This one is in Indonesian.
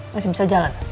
masih bisa jalan